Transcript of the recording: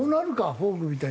フォークみたいに。